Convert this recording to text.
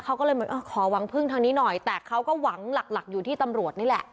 เขาก็เลยเหมือนขอหวังพึ่งทางนี้หน่อยแต่เขาก็หวังหลักหลักอยู่ที่ตำรวจนี่แหละ